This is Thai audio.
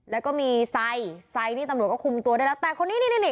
แล้วก็มีไซไซนี่ตำรวจก็คุมตัวได้แล้ว